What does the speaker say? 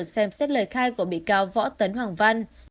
xem xét lời khai của bị cáo võ tấn hoàng văn